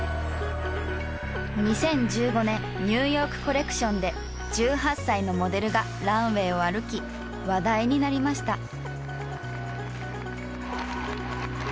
２０１５年ニューヨーク・コレクションで１８歳のモデルがランウェイを歩き話題になりました。